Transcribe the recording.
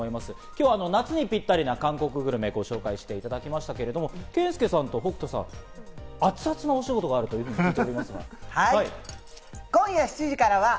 今日は夏にぴったりな韓国グルメをご紹介していただきましたけれども、健介さんと北斗さん、熱々な推しゴトがあるということですね。